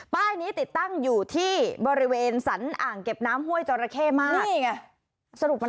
ป้ายนี้ติดตั้งอยู่ที่บริเวณสันอ่างเก็บน้ำห้วยจระเข้มาก